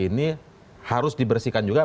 ini harus dibersihkan juga